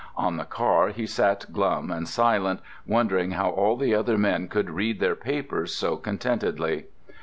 On the car he sat glum and silent, wondering how all the other men could read their papers so contentedly.